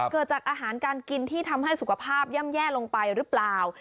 เกิดจากอาหารการกินที่ทำให้สุขภาพย่ำแย่ลงไปหรือเปล่า